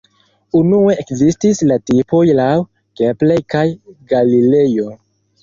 Unue ekzistis la tipoj laŭ Kepler kaj Galilejo.